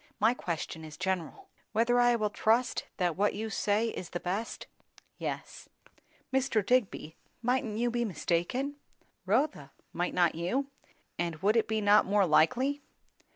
My question was general." "Whether I will trust that what you say is the best?" "Yes." "Mr. Digby, mightn't you be mistaken?" "Rotha, might not you? And would it not be more likely?"